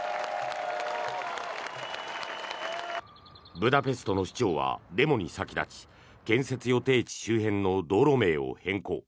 ブダペストの市長はデモに先立ち建設予定地周辺の道路名を変更。